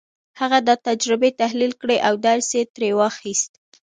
هغه دا تجربې تحليل کړې او درس يې ترې واخيست.